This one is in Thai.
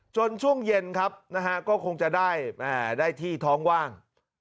ช่วงเย็นครับก็คงจะได้ที่ท้องว่าง